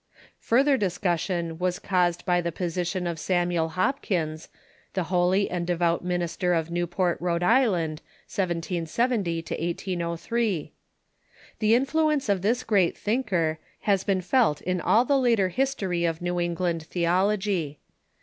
Further discussion was caused by the position of Samuel Hopkins, the holy and devout minister of Newport, Rhode Island, 1770 1803. The influence of this great thinker has been felt in all the later history of New England theology.